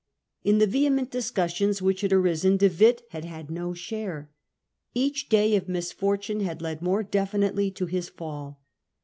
In the vehement discussions which had arisen De Witt had had no share. Each day of misfortune had led more definitely to his fall.